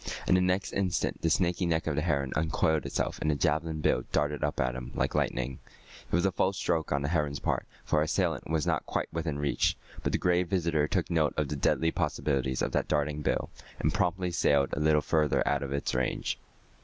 In the next instant the snaky neck of the heron uncoiled itself and the javelin bill darted up at him like lightning. It was a false stroke on the heron's part, for her assailant was not quite within reach. But the Gray Visitor took note of the deadly possibilities of that darting bill, and promptly sailed a little further out of its range.